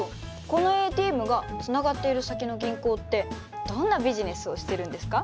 このＡＴＭがつながっている先の銀行ってどんなビジネスをしてるんですか？